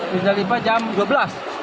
musdalifah jam dua belas